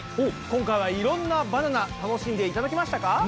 今回はいろんなバナナ楽しんでいただけましたか？